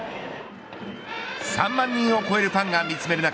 ３万人を超えるファンが見詰める中